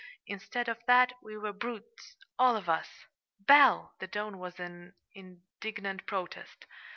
Instead of that, we were brutes all of us!" "Belle!" the tone was an indignant protest.